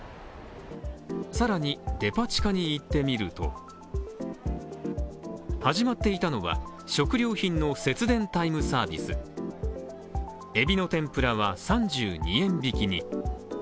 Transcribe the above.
更に、デパ地下に行ってみると始まっていたのは食料品の節電タイムサービスえびの天ぷらは３２円引きに。